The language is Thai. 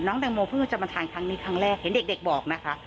แตงโมเพิ่งจะมาทานครั้งนี้ครั้งแรกเห็นเด็กบอกนะคะ